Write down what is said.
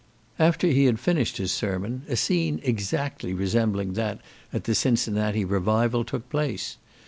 After he had finished his sermon, a scene exactly resembling that at the Cincinnati Revival, took place.